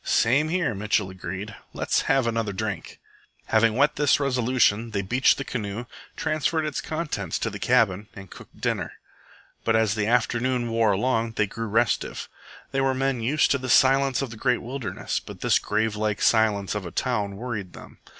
"Same here," Mitchell agreed. "Let's have another drink." Having wet this resolution, they beached the canoe, transferred its contents to their cabin, and cooked dinner. But as the afternoon wore along they grew restive. They were men used to the silence of the great wilderness, but this gravelike silence of a town worried them.